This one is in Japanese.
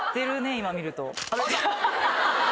今見ると。